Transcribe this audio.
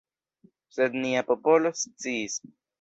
Sed nia popolo sciis.